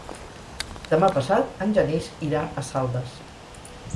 Demà passat en Genís irà a Saldes.